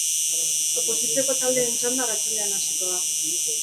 Oposizioko taldeen txanda arratsaldean hasiko da.